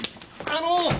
あの。